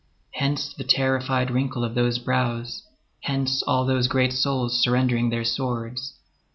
Hence the terrified wrinkle of those brows; hence all those great souls surrendering their swords.